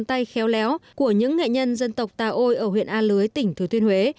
bản thân tay khéo léo của những nghệ nhân dân tộc tà ôi ở huyện an lưới tỉnh thời thiên huế